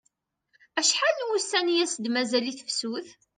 Acḥal n wussan i as-d-mazal i tefsut?